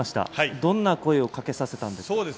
どんな声をかけさせたんですか。